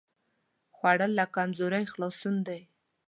خوړل له کمزورۍ خلاصون دی